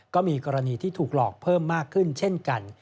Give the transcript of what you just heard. ก็มีกรณีที่ถูกหลอกเพิ่มมากขึ้นเช่นกัน